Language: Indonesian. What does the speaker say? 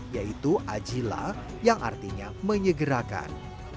yaitu ajila yang artinya menyegerakan